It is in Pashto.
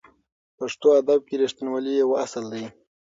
پښتو ادب کې رښتینولي یو اصل دی.